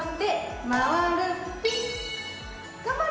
頑張れ。